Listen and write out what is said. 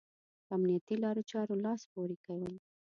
په امنيتي لارو چارو لاس پورې کول.